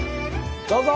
どうぞ！